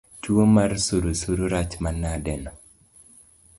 Tuo mar surusuru rach manadeno